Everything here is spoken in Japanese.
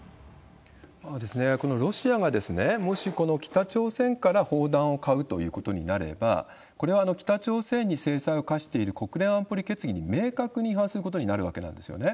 このロシアが、もし北朝鮮から砲弾を買うということになれば、これは北朝鮮に制裁を科している国連安保理決議に明確に違反することになるわけなんですよね。